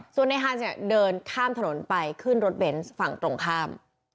ส่วนในฮันสเนี่ยเดินข้ามถนนไปขึ้นรถเบนส์ฝั่งตรงข้าม